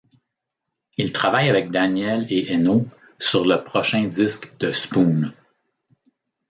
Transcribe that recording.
Il travaille avec Daniel et Eno sur le prochain disque de Spoon.